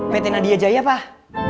pt nadia jaya pak